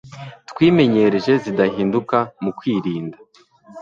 twimenyereje zidahinduka mu kwirinda